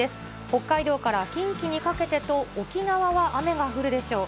北海道から近畿にかけてと、沖縄は雨が降るでしょう。